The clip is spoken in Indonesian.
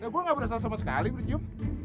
gue gak berasa sama sekali mencium